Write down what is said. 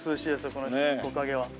この木陰は。